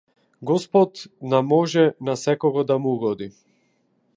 Господ на може на секого да му угоди.